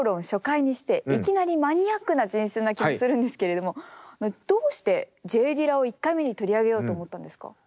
初回にしていきなりマニアックな人選な気もするんですけれどもどうしてＪ・ディラを１回目に取り上げようと思ったんですか？